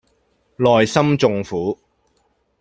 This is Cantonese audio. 內心縱苦